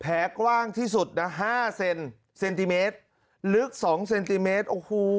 กว้างที่สุดนะ๕เซนเซนติเมตรลึก๒เซนติเมตรโอ้โห